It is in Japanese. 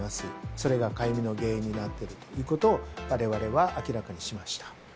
それがかゆみの原因になっているということをわれわれは明らかにしました。